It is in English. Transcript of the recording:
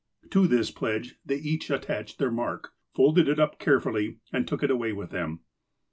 To this pledge they each attached their mark, folded it up carefully, and took it away with them."